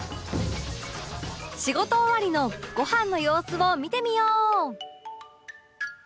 仕事終わりのごはんの様子を見てみよう